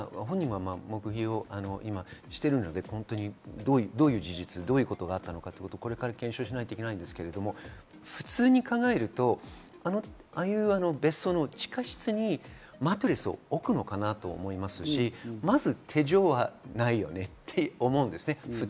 計画性に関しては本人は黙秘しているので、どういう事実、どういうことがあったのか、これから検証しないといけないんですけれど、普通に考えるとああいう別荘の地下室にマットレスを置くのかなと思いますし、まず、手錠はないよねって思うんです。